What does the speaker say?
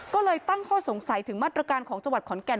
ก็เลยตั้งข้อสงสัยถึงมาตรการของจังหวัดขอนแก่น